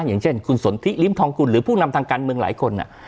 อย่างเช่นคุณสนทิริมทองกุลหรือผู้นำทางการเมืองหลายคน